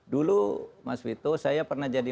dulu mas vito saya pernah jadi